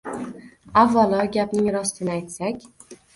Avvalo, gapning rostini aytsak.